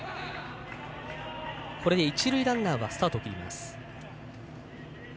これで、一塁ランナーがスタートを切ります。